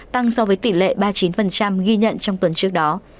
tăng so với tỷ lệ ba mươi chín ghi nhận trong tuần trước đó